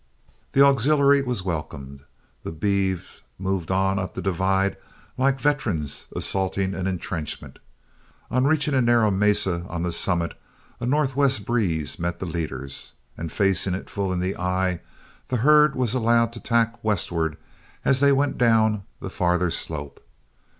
The auxiliary was welcomed. The beeves moved on up the divide like veterans assaulting an intrenchment. On reaching a narrow mesa on the summit, a northwest breeze met the leaders, and facing it full in the eye, the herd was allowed to tack westward as they went down the farther slope.